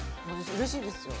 うれしいですよ。